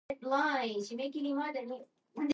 The first part has eight chapters.